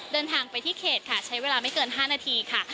เดินทางไปที่เขตค่ะใช้เวลาไม่เกิน๕นาทีค่ะ